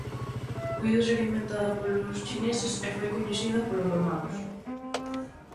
Puido ser inventada polos chineses e foi coñecida polos romanos.